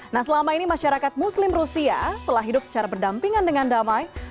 nah selama ini masyarakat muslim rusia telah hidup secara berdampingan dengan damai